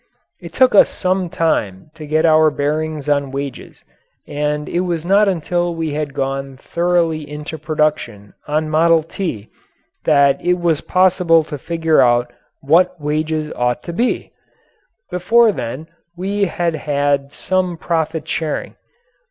It took us some time to get our bearings on wages, and it was not until we had gone thoroughly into production on "Model T," that it was possible to figure out what wages ought to be. Before then we had had some profit sharing.